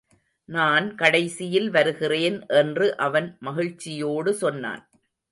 நான் கடைசியில் வருகிறேன் என்று அவன் மகிழ்ச்சியோடு சொன்னான்.